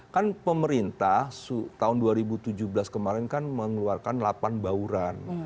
kan pemerintah tahun dua ribu tujuh belas kemarin kan mengeluarkan delapan bauran